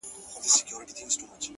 • له آمو تر اباسینه وطن بولي,